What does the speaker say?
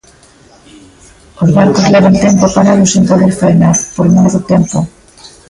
Os barcos levan tempo parados sen poder faenar, por mor do tempo.